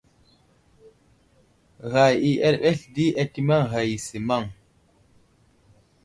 Ghay i erɓels di atimeŋ ghay i simaŋ.